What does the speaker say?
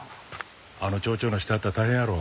あの町長の下やったら大変やろ。